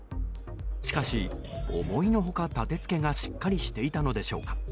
しかし、思いの外立て付けがしっかりしていたのでしょうか。